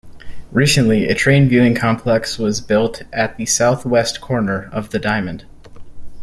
Recently, a train-viewing complex was built at the southwest corner of the diamond.